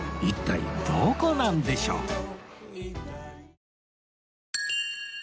一体どこなんでしょう？